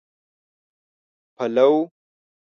پلو